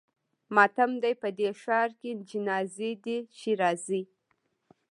ماتم دی په دې ښار کې جنازې دي چې راځي.